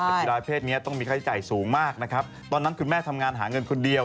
แต่กีฬาเพศนี้ต้องมีค่าใช้จ่ายสูงมากนะครับตอนนั้นคุณแม่ทำงานหาเงินคนเดียว